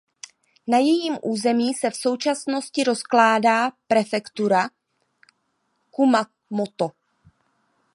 Na jejím území se v současnosti rozkládá prefektura Kumamoto.